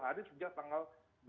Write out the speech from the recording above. tujuh puluh hari sejak tanggal